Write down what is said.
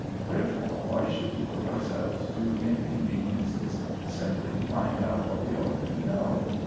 Wherefore why should we put ourselves to inconveniences simply to find out what we already know?